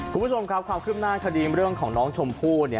คุณผู้ชมครับความคืบหน้าคดีเรื่องของน้องชมพู่เนี่ย